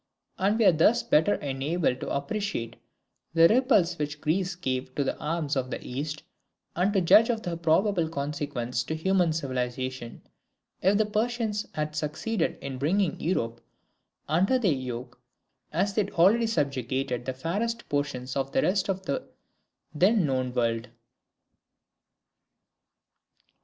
And we are thus better enabled to appreciate the repulse which Greece gave to the arms of the East, and to judge of the probable consequences to human civilization, if the Persians had succeeded in bringing Europe under their yoke, as they had already subjugated the fairest portions of the rest of the then known world.